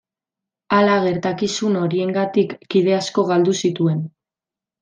Hala gertakizun horiengatik kide asko galdu zituen.